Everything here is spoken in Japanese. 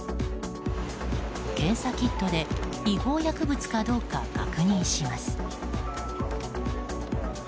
検査キットで違法薬物かどうか確認します。